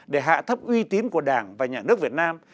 để hạ thấp uy tín của đảng và nhà nước việt nam